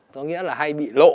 có nghĩa là hay bị lộ